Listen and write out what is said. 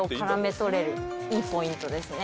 いいポイントですね。